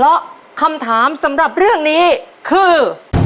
เพราะคำถามสำหรับเรื่องนี้คือ